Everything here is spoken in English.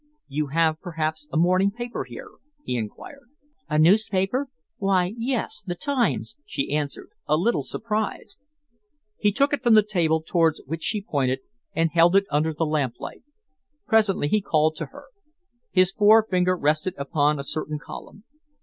"You have, perhaps, a morning paper here?" he enquired. "A newspaper? Why, yes, the Times," she answered, a little surprised. He took it from the table towards which she pointed, and held it under the lamplight. Presently he called to her. His forefinger rested upon a certain column.